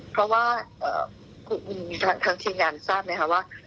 เพราะว่าทางทีมงานทราบไหมคะว่า